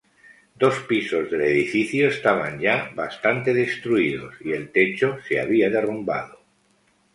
Dos pisos del edificio estaban ya bastante destruidos, y el techo se había derrumbado.